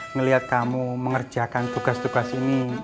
ngelihat kamu mengerjakan tugas tugas ini